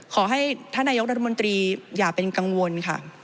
ขอให้ท่านนายกรัฐมนตรีอย่าเป็นกังวลค่ะ